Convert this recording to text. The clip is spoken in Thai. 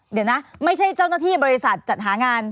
เดี๋ยวนะไม่ใช่เจ้าหน้าที่บริษัทจัดหางาน